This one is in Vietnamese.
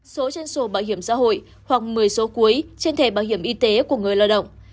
số trên sổ bảo hiểm xã hội hoặc một mươi số cuối trên thẻ bảo hiểm y tế của người lao động